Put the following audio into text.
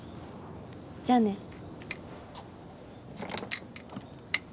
じゃあね。